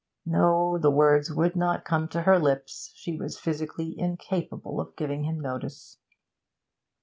No; the words would not come to her lips; she was physically incapable of giving him notice.